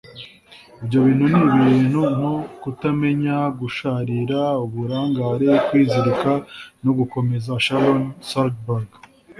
ibyo bintu ni ibintu nko kutamenya, gusharira, uburangare, kwizirika, no gukomeza. - sharon salzberg